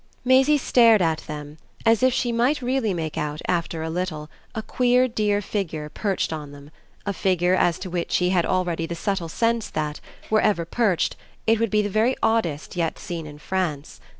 Maisie stared at them as if she might really make out after a little a queer dear figure perched on them a figure as to which she had already the subtle sense that, wherever perched, it would be the very oddest yet seen in France.